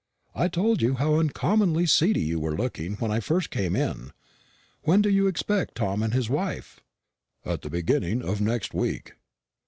I told you how uncommonly seedy you were looking when I first came in. When do you expect Tom and his wife?" "At the beginning of next week."